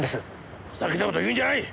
ふざけた事言うんじゃない！